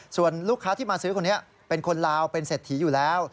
ส่วนลูกค้าที่มาซื้อคนนี้เป็นคนลาวเป็นเศรษฐีอยู่แล้ว